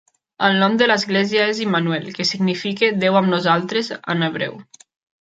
El nom de l'església és "Immanuel", que significa "Déu amb nosaltres" en hebreu.